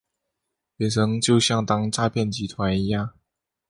人生就像当诈骗集团一样